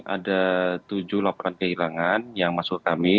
ada tujuh laporan kehilangan yang masuk kami